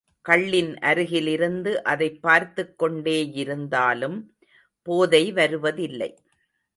கள்ளின் அருகிலிருந்து அதைப் பார்த்துக்கொண்டேயிருந்தாலும் போதைவருவதில்லை.